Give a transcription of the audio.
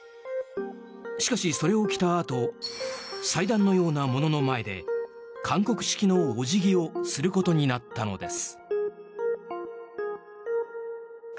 しかし、それを着たあと祭壇のようなものの前で韓国式のお辞儀をすることになったのです。